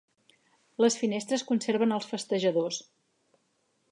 Les Finestres conserven els festejadors.